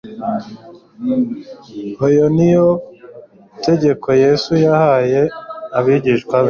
hyo ni iyo tegeko Yesu yahaye abigishwa be.